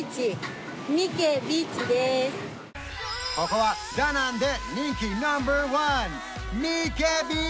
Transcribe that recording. ここはダナンで人気ナンバーワン！